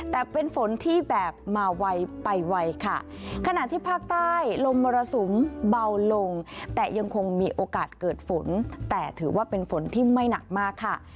แต่เป็นฝนที่แบบมาไวไปไวค่ะขณะที่ภาคใต้ลมมรสุมเบาลงแต่ยังคงมีโอกาสเกิดฝนแต่ถือว่าเป็นฝนที่ไม่หนักมากค่ะ